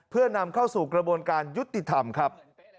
เพื่อนำเข้าสู่กระบวนการยุติธรรมครับ